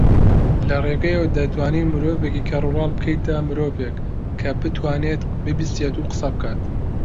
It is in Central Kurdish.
لەرێگەیەوە دەتوانین مرۆڤێکی کەڕولاڵ بکەیتە مرۆڤێک کە بتوانێت ببیستێت و قسە بکات